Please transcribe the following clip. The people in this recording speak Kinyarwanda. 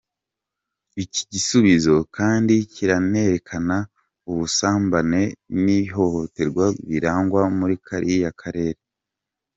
Icyi gisubizo kandi kiranerekana ubusumbane n’ihohoterwa birangwa muri kariya karere!